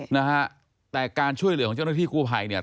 นะฮะแต่การช่วยเหลือของเจ้าหน้าที่กู้ภัยเนี่ย